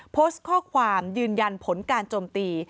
โพสต์ข้อความยืนยันผลการโจมตี